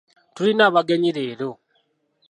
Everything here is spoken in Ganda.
Tulina abagenyi leero.